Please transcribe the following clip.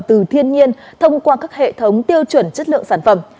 từ thiên nhiên thông qua các hệ thống tiêu chuẩn chất lượng sản phẩm